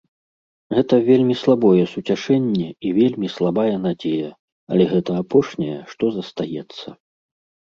Гэта вельмі слабое суцяшэнне і вельмі слабая надзея, але гэта апошняе, што застаецца.